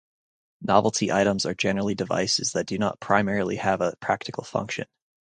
Novelty items are generally devices that do not primarily have a practical function.